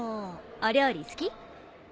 お料理好き？